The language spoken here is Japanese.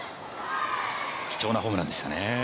貴重なホームランでしたね。